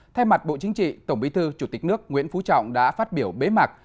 thay mặt bộ chính trị tổng bí thư chủ tịch nước nguyễn phú trọng đã phát biểu bế mạc